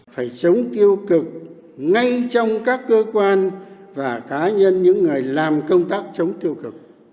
phải chống tiêu cực ngay trong các cơ quan và cá nhân những người làm công tác chống tiêu cực